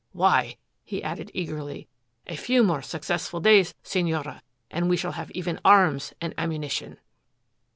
Why," he added eagerly, "a few more successful days, Senora, and we shall have even arms and ammunition."